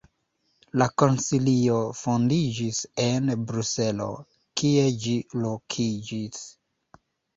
La Konsilio fondiĝis en Bruselo, kie ĝi lokiĝis.